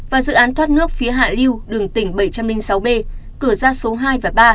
và dự án thoát nước phía hạ liêu đường tỉnh bảy trăm linh sáu b cửa ra số hai và ba